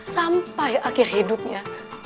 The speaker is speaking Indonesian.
sampai akhir hidupnya